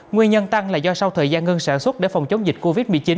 nguyên nhân tăng là do sau thời gian ngưng sản xuất để phòng chống dịch covid một mươi chín